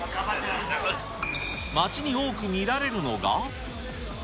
街に多く見られるのが。